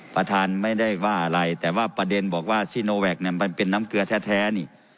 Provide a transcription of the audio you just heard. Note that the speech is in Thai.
ประธานไม่ได้ว่าอะไรแต่ว่าประเด็นบอกว่าซีโนแวคเนี่ยมันเป็นน้ำเกลือแท้นี่